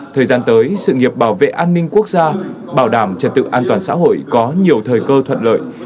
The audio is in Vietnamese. thời gian tới sự nghiệp bảo vệ an ninh quốc gia bảo đảm trật tự an toàn xã hội có nhiều thời cơ thuận lợi